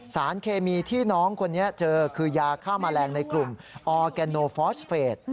สารเคมีที่น้องคนนี้เจอคือยาฆ่าแมลงในกลุ่มออร์แกนโนฟอสเฟส